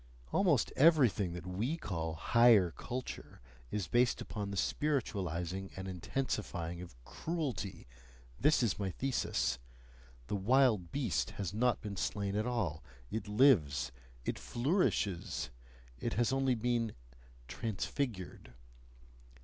Almost everything that we call "higher culture" is based upon the spiritualising and intensifying of CRUELTY this is my thesis; the "wild beast" has not been slain at all, it lives, it flourishes, it has only been transfigured.